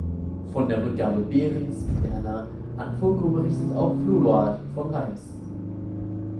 Von der Rückgabe Behrens ("Berna") an Fulko berichtet auch Flodoard von Reims.